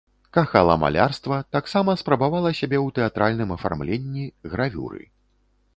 Кахала малярства, таксама спрабавала сябе ў тэатральным афармленні, гравюры.